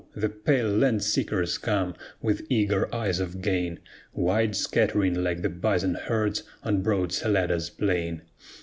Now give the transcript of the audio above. the pale land seekers come, with eager eyes of gain, Wide scattering, like the bison herds on broad Salada's plain.